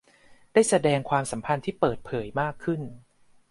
ได้แสดงความสัมพันธ์ที่เปิดเผยมากขึ้น